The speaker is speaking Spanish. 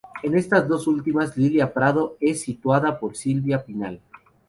En estas dos últimas, Lilia Prado es sustituida por Silvia Pinal.